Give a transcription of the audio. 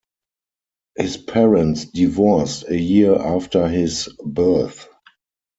His parents divorced a year after his birth.